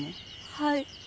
はい。